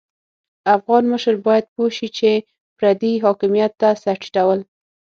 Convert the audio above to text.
افغان مشر بايد پوه شي چې پردي حاکميت ته سر ټيټول.